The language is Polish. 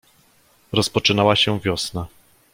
"Rozpoczynała się wiosna."